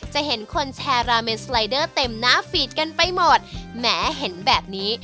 จะเห็นคนแชร์ราเมนสไลเดอร์เต็มหน้าฟีดกันไปหมดแหมเห็นแบบนี้